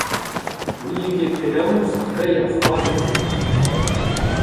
Ouien ket penaos treiñ ar frazenn-se